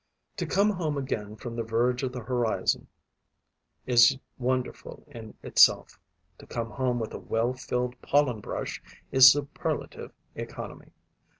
To come home again from the verge of the horizon is wonderful in itself; to come home with a well filled pollen brush is superlative economy.